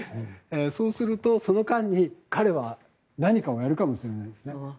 そうすると、その間に彼は何かをやるかもしれないんですね。